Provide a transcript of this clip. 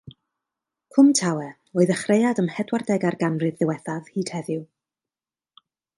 Cwm Tawe, o'i ddechreuad ym mhedwardegau'r ganrif ddiwethaf hyd heddiw.